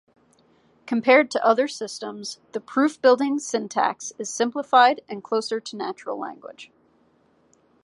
Compared to other systems, the proof-building syntax is simplified and closer to natural language.